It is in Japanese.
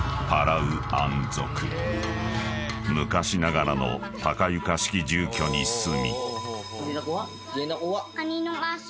［昔ながらの高床式住居に住み］